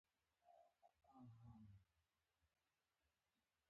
او د چترۍ تنکي هډونه